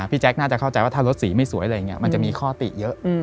แจ๊คน่าจะเข้าใจว่าถ้ารถสีไม่สวยอะไรอย่างนี้มันจะมีข้อติเยอะ